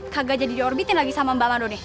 kagak jadi diorbitin lagi sama mbak andone